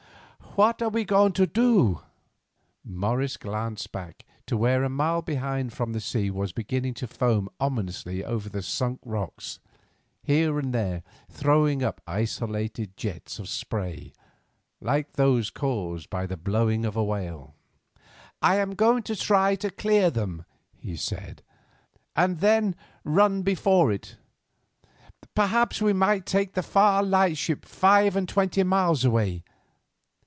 "What are you going to do?" she asked. Morris glanced back to where a mile behind them the sea was beginning to foam ominously over the Sunk Rocks, here and there throwing up isolated jets of spray, like those caused by the blowing of a whale. "I am going to try to clear them," he said, "and then run before it. Perhaps we might make the Far Lightship five and twenty miles away.